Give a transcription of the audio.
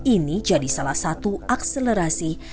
ini jadi salah satu akselerasi